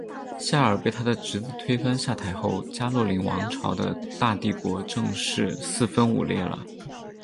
夏尔被他的侄子推翻下台后加洛林王朝的大帝国正式四分五裂了。